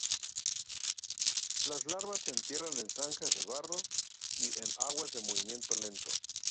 Las larvas se entierran en zanjas de barro y en aguas de movimiento lento.